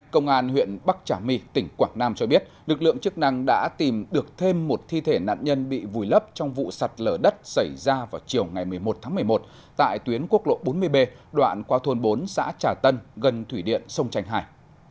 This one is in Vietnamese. công an huyện bắc trà my tỉnh quảng nam cho biết lực lượng chức năng đã tìm được thêm một thi thể nạn nhân bị vùi lấp trong vụ sạt lở đất xảy ra vào chiều ngày một mươi một tháng một mươi một tại tuyến quốc lộ bốn mươi b đoạn qua thôn bốn xã trà tân gần thủy điện sông trành hải